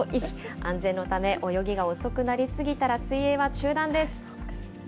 安全のため、泳ぎが遅くなり過ぎたら水泳は中断です。